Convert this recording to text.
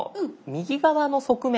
右側の側面。